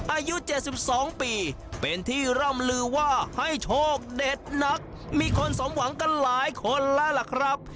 อายุ๗๒ปีเป็นที่ร่ำลือว่าให้โชคเด็ดนักมีคนสมหวังกันหลายคนแล้วล่ะครับ